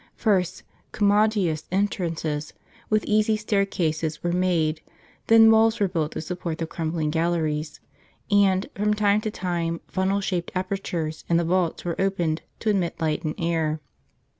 First, commodious entrances, with easy staircases were made; then walls were built to support the crumbling galleries; and, from time to time, funnel shaped apertures in the vaults were opened, to admit light and air.